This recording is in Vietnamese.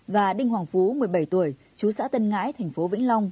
và đinh hoàng phú một mươi bảy tuổi chú xã tân ngãi thành phố vĩnh long